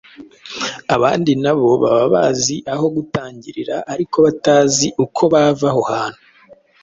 Abandi na bo baba bazi aho gutangirira ariko batazi uko bava aho hantu